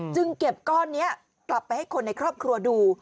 เก็บก้อนนี้กลับไปให้คนในครอบครัวดู